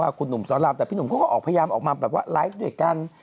คุณหนุ่มสอนรามแต่พี่หนุ่มเขาก็ออกพยายามออกมาแบบว่าไลฟ์ด้วยกัน